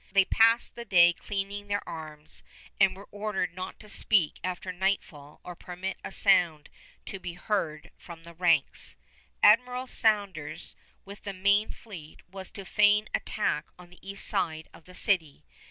They passed the day cleaning their arms, and were ordered not to speak after nightfall or permit a sound to be heard from the ranks. Admiral Saunders with the main fleet was to feign attack on the east side of the city.